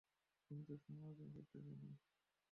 কিন্তু আমি সমালোচনা করতে চাই না।